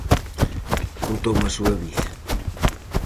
Contoume a súa vida.